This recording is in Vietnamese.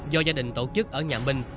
do gia đình tổ chức ở nhà minh